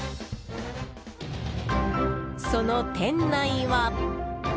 その店内は。